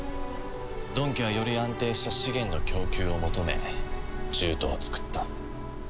ドン家はより安定した資源の供給を求め獣人を作った。